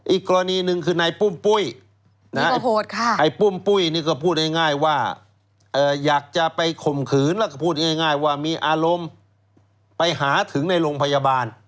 อีกกรณีหนึ่งคือนายปุ้มปุ้ยไอ้ปุ้มปุ้ยนี่ก็พูดง่ายว่าอยากจะไปข่มขืนแล้วก็พูดง่ายว่ามีอารมณ์ไปหาถึงในโรงพยาบาล